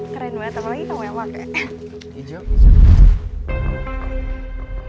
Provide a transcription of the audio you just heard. keren banget apalagi kamu emang